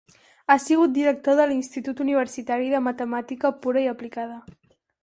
Ha sigut director de l'Institut Universitari de Matemàtica Pura i Aplicada.